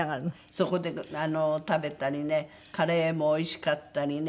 そこで食べたりねカレーもおいしかったりね。